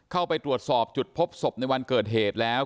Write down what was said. เข้าไปตรวจสอบจุดพบศพในวันเกิดเหตุแล้ว